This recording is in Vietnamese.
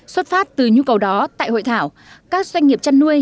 xuất phát từ nhu cầu đó tại hội thảo các doanh nghiệp chăn nuôi